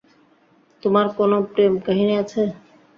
তোমার কোন প্রেমকাহিনী আছে?